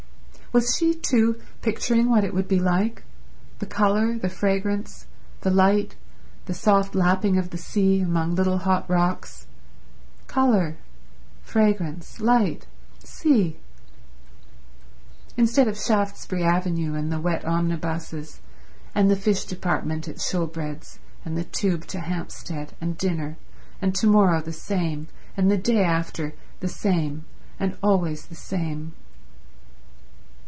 Was she, too, picturing what it would be like—the colour, the fragrance, the light, the soft lapping of the sea among little hot rocks? Colour, fragrance, light, sea; instead of Shaftesbury Avenue, and the wet omnibuses, and the fish department at Shoolbred's, and the Tube to Hampstead, and dinner, and to morrow the same and the day after the same and always the same